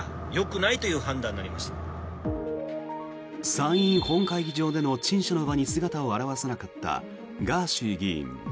参院本会議場での陳謝の場に姿を現さなかったガーシー議員。